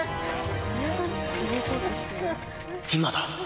今だ。